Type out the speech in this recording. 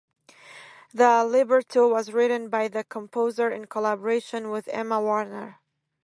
The libretto was written by the composer in collaboration with Emma Warner.